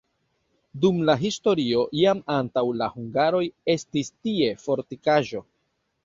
Dum la historio jam antaŭ la hungaroj estis tie fortikaĵo.